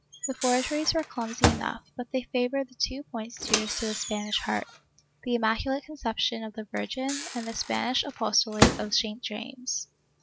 The forgeries were clumsy enough, but they favored the two points dearest to the Spanish heart — the Immaculate Conception of the Virgin and the Spanish apostolate of St. James.